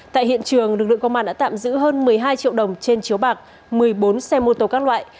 tại hiện trường lực lượng công an đã tạm giữ hơn một mươi hai triệu đồng trên chiếu bạc một mươi bốn xe mô tô các loại